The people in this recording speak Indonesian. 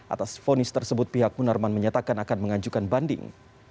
atas fonis tersebut pihak munarman menyatakan akan mengajukan banding